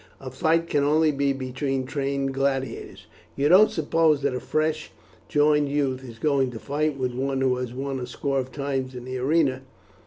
"A fight can only be between trained gladiators. You don't suppose that a fresh joined youth is going to fight with one who has won a score of times in the arena?"